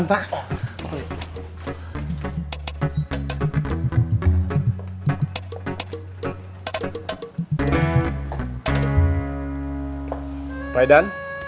mari pak idan